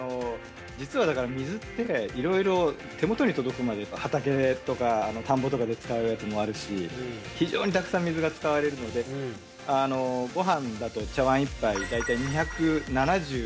実はだから水っていろいろ手元に届くまで畑とか田んぼとかで使うやつもあるし非常にたくさん水が使われるのでご飯だとええ？